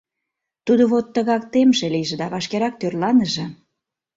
Тудо вот тыгак темше лийже да вашкерак тӧрланыже»..